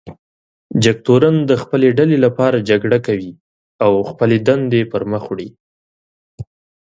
جګتورن د خپلې ډلې لپاره جګړه کوي او خپلې دندې پر مخ وړي.